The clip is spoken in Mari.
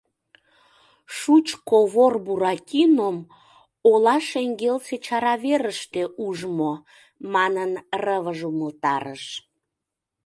Шучко вор Буратином ола шеҥгелсе чара верыште ужмо, манын рывыж умылтарыш.